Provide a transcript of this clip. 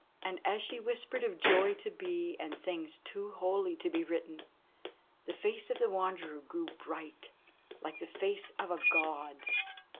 And as she whispered of joy to be, and things too holy to be written, the face of the Wanderer grew bright, like the face of a God.